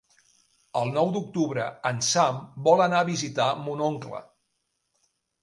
El nou d'octubre en Sam vol anar a visitar mon oncle.